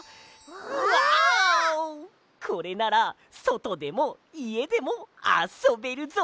これならそとでもいえでもあそべるぞ！